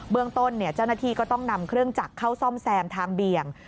เรื่องต้นเจ้าหน้าที่ก็ต้องนำเครื่องจักรเข้าซ่อมแซมทางเบี่ยง